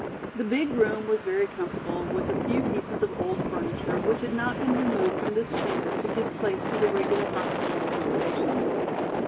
The big room was very comfortable with a few pieces of old furniture which had not been removed from this chamber to give place to the regular hospital accommodations.